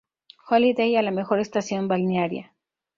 Holiday"" a la mejor estación balnearia.